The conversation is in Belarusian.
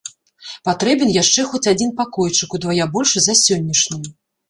Патрэбен яшчэ хоць адзін пакойчык, удвая большы за сённяшні.